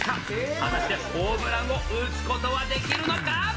果たしてホームランを打つことはできるのか？